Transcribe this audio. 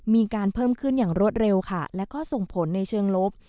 มีการเพิ่มขึ้นอย่างรวดเร็วค่ะแล้วก็ส่งผลในเชิงลบ